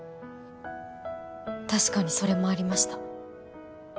確かにそれもありました